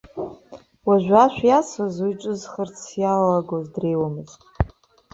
Уажә ашә иасуаз уи ҿызхырц иалагалоз дреиуамызт.